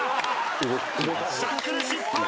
シャッフル失敗！